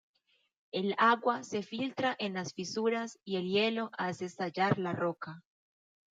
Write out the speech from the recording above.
El agua se filtra en las fisuras y el hielo hace estallar la roca.